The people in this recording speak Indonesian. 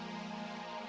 aku sudah tahu